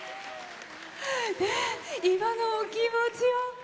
今のお気持ちを。